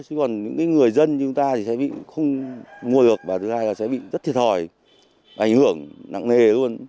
nhưng còn những người dân chúng ta thì sẽ bị không mua được và thực ra là sẽ bị rất thiệt hỏi ảnh hưởng nặng nề luôn